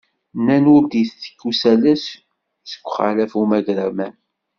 Nnan ur d-itekk usalas, seg uxalaf umagraman.